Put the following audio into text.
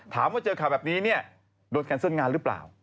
ถามว่าเจอข่าวแบบนี้เนี่ยโดนแคนเซิลงานหรือเปล่า